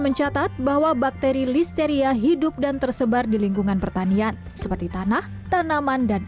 mencatat bahwa bakteri listeria hidup dan tersebar di lingkungan pertanian seperti tanah tanaman dan